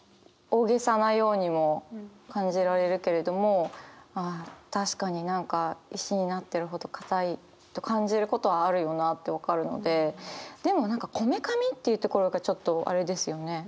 大げさなようにも感じられるけれども確かに何か石になってるほどかたいって感じることはあるよなって分かるのででも何かこめかみっていうところがちょっとあれですよね。